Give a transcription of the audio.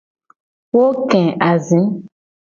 Wo ke azi.